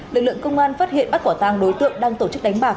lực lượng công an phát hiện bắt quả tang đối tượng đang tổ chức đánh bạc